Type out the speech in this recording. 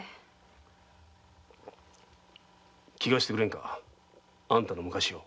聞かせてくれんかあんたの昔を。